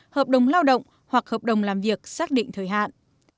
hợp đồng lao động hoặc hợp đồng làm việc xác định thời hạn